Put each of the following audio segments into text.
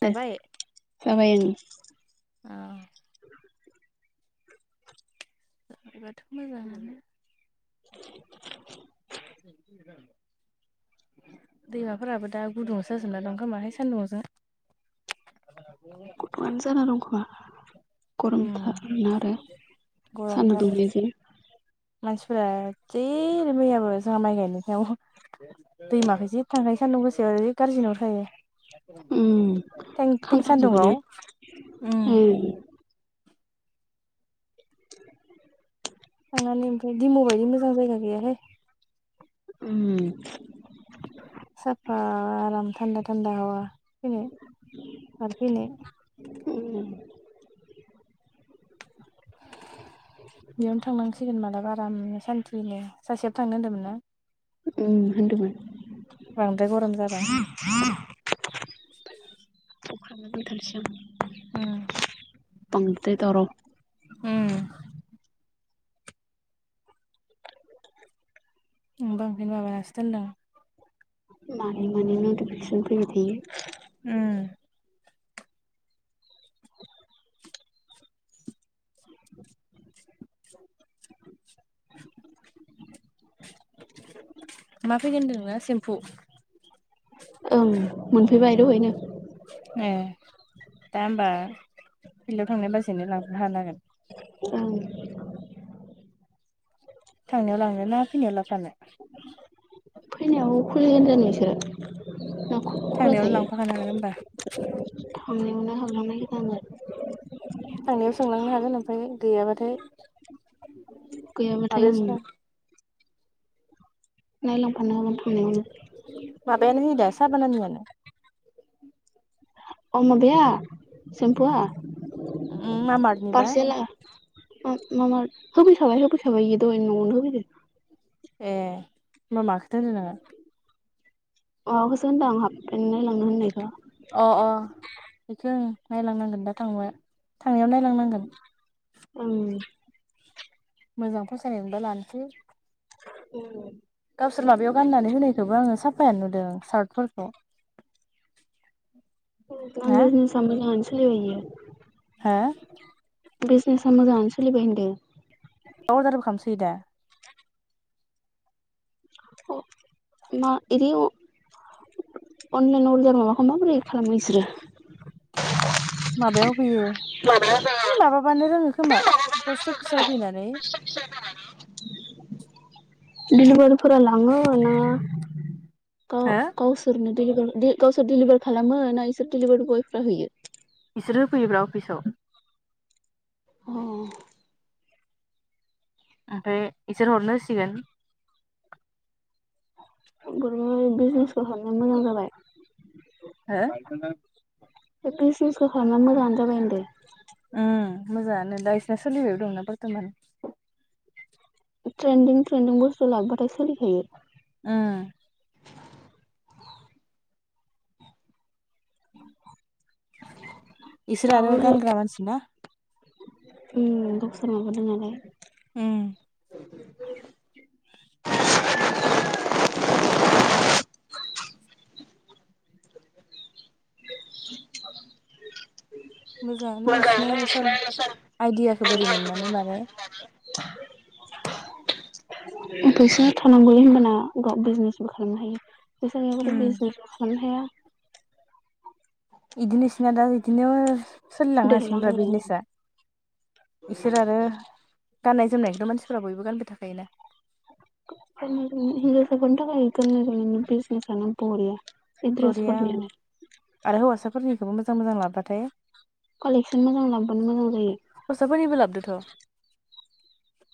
दे जाबाय जाबाय ओं। औ जबाथ' मोजाङानो। [inaudible] [inaudible] दैमाफोराबो दा गुदुआवसो जाजोब न दं ओंखामाहाय सान्दुंजों। गुदुं'आनो जाना दंखोमा। उम गरमथारोन आरो सानदा गरमथार दुंलिजों। मानसिफोरा जि मैयाबो जोंहा माइ गायनाय आव दैमाखौ जि थांखायो सान्दुं गोसाआव जिस गाज्रि नुखायो। उम थें थें खामथाबजोब्बाय ना सान्दुंआव उम थांनानै ओमफ्राय दिम' बायदि मोजां जायगा गैयाहाय। उम सफा आराम थान्दा थान्दा हा फनो आरो फिनो उम [inaudible] बेयावनो थांनांसिगोन मालाबा आराम सानथुयैनो सासेआबो थांनो होनदोंमोन ना। उम होनदोंमोन। बांद्राय गरम जाबा। उम [unintelligible] उम आं बा ओंखायनो माबानासो दोनदों। मानि मानि नथिफिखेसन फैबाय थारो। उम मा फैगोन होनदोंनों सेम्फु? ओं मोनफैबाय दहायनो। ए दा होमबा फिल्डआव थांनाय बाजैनो लांफेरनो हानांगोन। औ थांनायाव लांनो ना फैनायाव ला फानो? फैनायाव खुलिगोन जों नोंसोरो? थांनायावनो लांफाखानांगोन होमबा। थांनायावनो हाबानांगोन। थांनायाव सोंलांनो हागोन ओमफ्राय गैयाबाथाय गैयाबाथाय ओं। माबायावसो नायलां फानो हागोन माबायानो होयो दा थांनायावनो। साबानानियानो अम माबाया? सेम्फुआ मामार्टनिबा पार्सेेलआ मामा? होफै खाबाय होफै खाबाय बेयो दहाय नआवनो होफैदों। ए होमबा मा खोथो होनदों नों? माबाखौसो होनदों आं हाबफेन नायलांनो होननायखौ। अ अ बेखौ नायलांनांगोन दा थां थांनायाव नायलांनांगोन। ओं मोजां फसायनाय मोनबा लानोसै। [unintelligible] गावसोर माबायाव गाननानै होनायखौबो आङो साफायानो नुदों सार्टफोरखौ। [unintelligible] ना सान्दों आं सोरलि इयो? हा। बिजनेसा मोजाङानो सोलिबाय होनदों। औ जारबो खालामसै दा। ना एव अनलाइन अर्दार माबाखौ माबोरै खालामो इसोरो? माबायाव होफैयो हैइ माबाबानो रोङो खोमा? पस्टअफिस मा [inaudible] होनना लानो? दिलिबारिफोरा लाङो ना हो गाव-गावसोरनो दिलिभारि दिल गावसोर दिडिलिभार खालामो ना इसोर डिलिभारि बयफ्रा होयो? बिसोरो फैयोब्रा अफिसाव। अ। ओमफ्राय इसोर हरनो होसिगोन। [unintelligible] बिजनेसआव हाबनो मोजां जाबाय। हो? बे बिजनिसखौ खालामना मोजांआनो जाबाय आं दायो। उम मोजाङानो दा इसिना सोलिबायबो दंना बर्थमान। ट्रेन्दिं ट्रेन्दिं बुस्थु लाब्लााथाय सोलिखायो। उम। इसोर आरो रावबो गानग्रा मानसि ना। उम [unintelligible] मोनबोदों नालाय। उम [inaudible] मोजाङानो इसिना सार आइदियाखौ बोरै मोननांगोन माने? [inaudible] फैसा थानांगौै होनबाना गाव बिजनेसबो खालामनो हायो। फैसा उम गैयाबाथ' बिजसबो खालामनो हाया। इदिनो इसिना दा इदिनो सोलिलांनो देरलाङो हासिगोनब्रा बिजनेसा। इसोर आरो गाननाय जोमनायखौथ' मानसिफोरा बयबो गानबाय थाखायोना। जोंनिथिं हिन्जावसाफोरनि थाखाय [unintelligible] बिजनेसानो बरिया। बे बरिया ड्रेसफोरनियानो आरो हौवासाफोरनिखौबो मोजां-मोजां लाबोबाथाय कलेक्सन मोजां लाबोबानो मोजां जायो। बोनिबोलाब्दोथ'।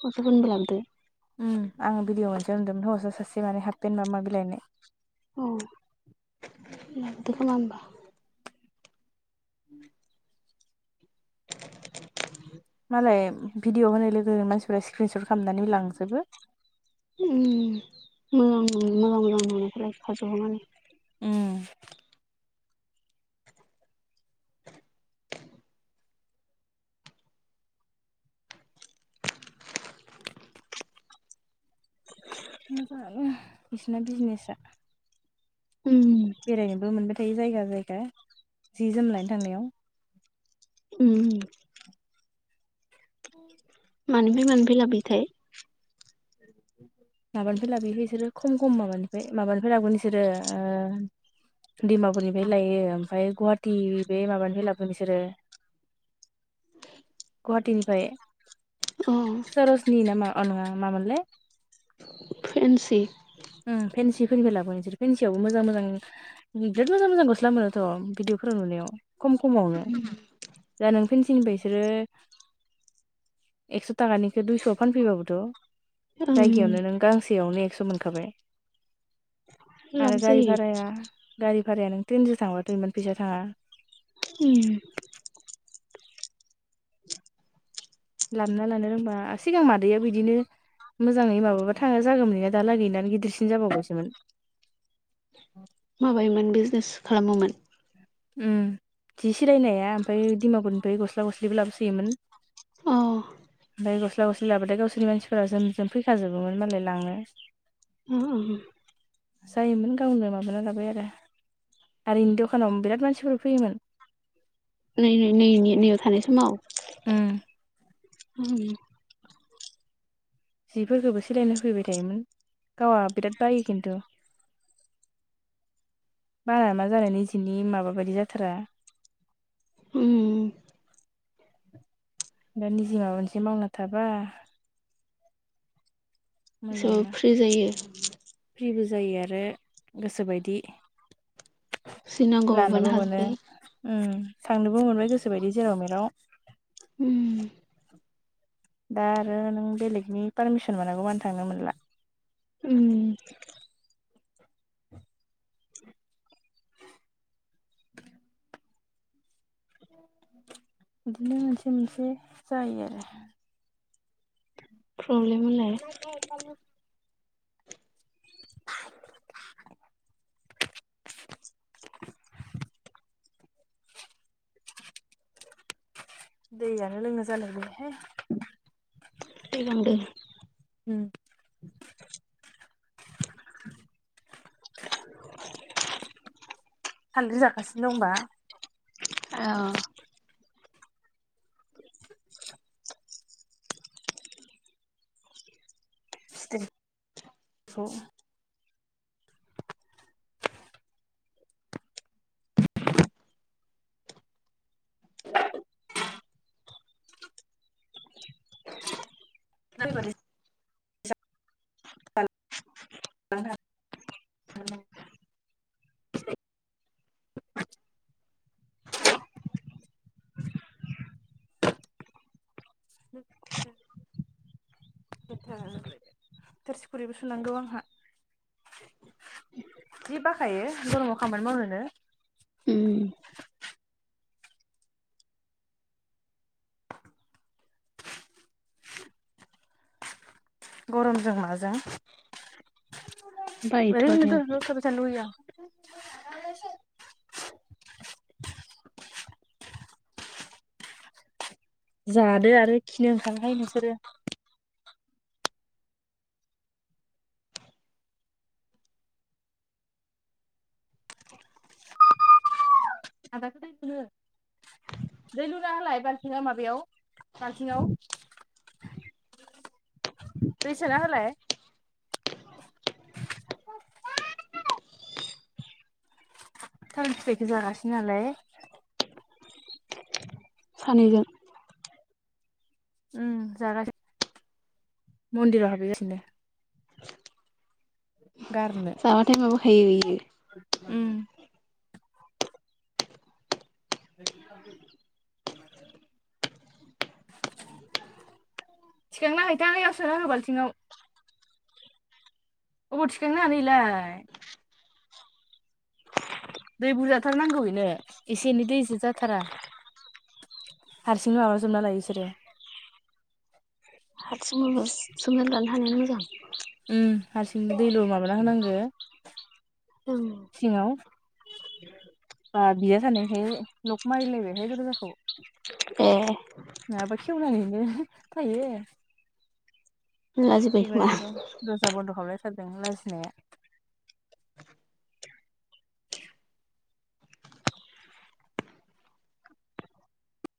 खथबुनबो लाबदों। आं भिडिअ' मोनसे नुदोंमोन हौवासा सासे माने हाफेन नामा बिलाइ ओननाय। औ [unintelligible] [inaudible] मालाय भिडिअ' होनाय लोगोनो मानसिफोरा स्क्रिनसट खालामनानै लांजोबो। उम मोजांखौनो मोजां-मोजां नङिखौलाय खावसेहरनानै उम। मोजाङानो बिसिना बिजनेसा उम बेरायनोबो मोनबाय थायो जायगा-जायगा जि-जोम लायनो थांनायाव। उम। [inaudible] मानिफाय-मानिफाय लाबोयोथाय? [inaudible] माबानिफ्राय लाबोयोलै बिसोरो खम-खम माबानिफ्राय- माबानिफ्राय लागोन बिसोरो ओ डिमापुरनिफाय लायो। ओमफाय गवाटि बे माबानिफाय लाबोगोन बिसोरो। गवाटिनिफाय? अ सर'ज'नि ना मा अ नङा। मामोनलाय? फेन्सि। उम फेन्सिफोरनिफाय लाबोगोन इसोर। फेन्सियावबो मोजां मोजां बिराद मोजां मोजां गस्ला मोनोाथ'। भिदिअ फोराव नुनायाव, खम खमावनो, दा नों फेन्सिनिफाय इसोरो एकस' ताकानिखो दुइस'आव फानफैबाबोथ'। ओं जायगायावनो नों गांसेयावनो एकस' मोनखाबाय। लाब आरो गारि जायो भाराया? गारि भाराया नों ट्रेनजो थांबाथ' इमान फैसा थाङा। [inaudible] लाबना लानो रोंबा सिगां मादैया इदिनो मोजाङै माबाबा थाङा जागोमोन इना दालागै इनानो गिदिरसिन जाबावबायसोमोन। माबायोमोन बिजनेस खालामोमोन? उम जि सिलायनाया ओमफाय डिमापुरनिफाय गस्ला गस्लिबो लाबोसोयोमोन। अ ओमफाय गस्ला गसलि लाबाथाय गावसिनि मानसिफोरा जोमजोम फैखाजोबोमोन मालाय लांनो [inaudible] जायोमोन गावनो माबाना लाबाय आरो आरो इनि दखानावनो बेराद मानसिफोर फैयोमोन? नै‌ नै नै नैयाव थानाय समाव? उम [inaudible] जिफोरखोबो सोलायनो होफैबाय थायोमोन गावा बिराद बायो खिन्थु। बारा मा जानाय निजिनि माबा बादि जाथारा उम दा निजि माबा मोनसे मावना थाबा एसेबाबो मोजांना फ्रि जायो। फ्रिबो जायो आरो गोसोबायदि जि नांगौ माबानो लानोबो मोनो हाजोबो उम। थांनोबो मोनबाय गोसोबायदि जेराव मेराव। उम दा आरो नों बेलेगनि पारमिसन मोनागौ मानि थांनो मोनला। उम बिदिनो मोनसे मोनसे जायो आरो। प्रब्लेम होनलाय [inaudible] [inaudible] [inaudible] दैयानो लोंनो जालायबायहाय। थैलांदों उम सानद्रि जागासिनो दंबा? [unintelligible] [inaudible] [inaudible] [unintelligible] [inaudible] [inaudible] थोरसि खुरैबो सुनांगौ आंहा। जि बाखायो गरमाव खामानि मावनोनो। उम गरमजों माजों बायोथ' आरो ओरैनोथ' न'आव थाबाय थानो लुगैयो आं। [inaudible] जादो आरो खिनो ओंखार हाय नोंसोरो। [unintelligible] दै लुना होलाय बालथिङा माबायाव बालथिंआव। दै सोना होलाय। [unintelligible] थाल फिथायखो जागासि नालाय। सानैजों उम जागासिनो मन्दिराव हाबहैगासिनो। गारनो जाबाथाय माबा खायो इयो। उम [inaudible] थिखांना हैैथां यैयाव सोना हो बालथिङाव। अब' थिखांनो हानो इलाय। दै बुरजाथारनांगौ इनो एसे एनै दैजों जाथारा। हारसिं नो माबा जोबना लायो इसोरो। हादसिं उमङो सोमना लानो हानायानो मोजां। उम हारसिंनो दैल' माबाना होनांगो। ओं सिङाव बा बिया जानायखाय लक मारिलायबायहाय दर' जाखौ। ए नोंङाबा खेवना हैनो हायो। होनला जोब्बाय एबार खोमा एकदम दजा बन्द' खालामलायथारदों लाजिनाया।